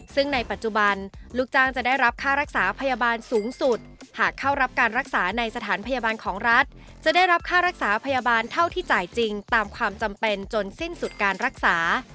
ซึ่งในปัจจุบันลูกจ้างจะได้รับค่ารักษาพยาบาลสูงสุดหากเข้ารับการรักษาในสถานพยาบาลของรัฐจะได้รับค่ารักษาพยาบาลเท่าที่จ่ายจริงตามความจำเป็นจนสิ้นสุดการรักษา